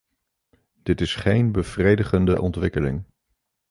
Dit is geen bevredigende ontwikkeling.